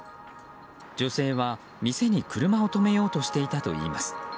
女性は店に車を止めようとしていたといいます。